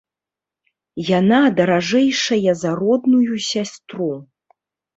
Яна даражэйшая за родную сястру.